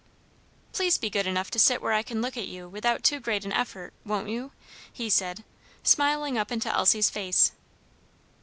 "Please be good enough to sit where I can look at you without too great an effort, won't you?" he said, smiling up into Elsie's face.